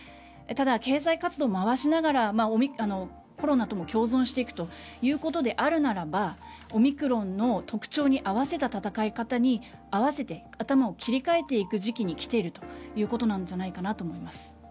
ただ、経済活動を回しながらコロナとも共存していくということであればオミクロンの特徴に合わせた闘い方に合わせて頭を切り替えていく時期に来ているということなんじゃないかと思います。